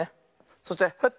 そしてフッ！